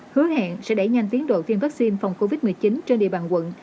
hứa hẹn sẽ đẩy nhanh tiến độ tiêm vaccine phòng covid một mươi chín trên địa bàn quận